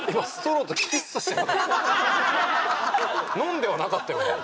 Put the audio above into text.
飲んではなかったよね？